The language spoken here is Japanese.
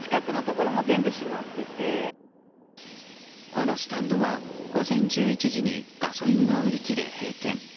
このスタンドは午前１１時にガソリンが売り切れ、閉店。